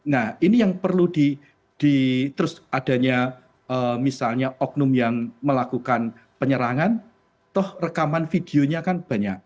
nah ini yang perlu di terus adanya misalnya oknum yang melakukan penyerangan toh rekaman videonya kan banyak